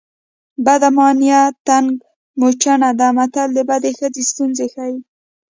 بده ماینه تنګه موچڼه ده متل د بدې ښځې ستونزې ښيي